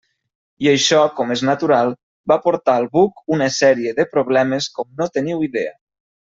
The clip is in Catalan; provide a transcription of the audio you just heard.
I això, com és natural, va portar al buc una sèrie de problemes com no teniu idea.